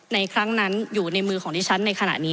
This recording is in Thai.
ครั้งนั้นอยู่ในมือของดิฉันในขณะนี้